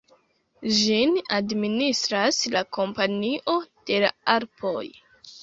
Ĝin administras la Kompanio de la Alpoj.